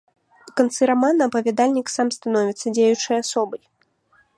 У канцы рамана апавядальнік сам становіцца дзеючай асобай.